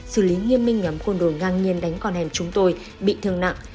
xử lý nghiêm minh nhóm côn đồ ngang nhiên đánh con hẻm chúng tôi bị thương nặng